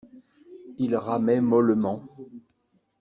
Il ramait mollement.